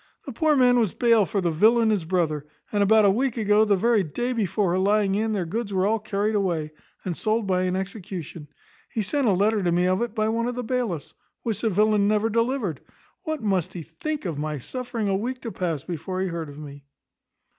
The poor man was bail for the villain his brother; and about a week ago, the very day before her lying in, their goods were all carried away, and sold by an execution. He sent a letter to me of it by one of the bailiffs, which the villain never delivered. What must he think of my suffering a week to pass before he heard of me?"